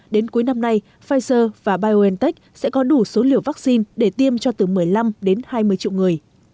đến cuối năm nay pfizer và biontech sẽ có đủ số liều vaccine để tiêm cho từ một mươi năm đến hai mươi triệu người